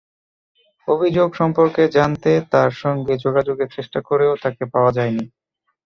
অভিযোগ সম্পর্কে জানতে তাঁর সঙ্গে যোগাযোগের চেষ্টা করেও তাঁকে পাওয়া যায়নি।